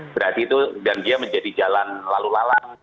berarti itu dan dia menjadi jalan lalu lalang